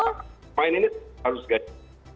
pemain ini harus gaji